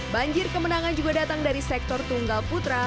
banjir kemenangan juga datang dari sektor tunggal putra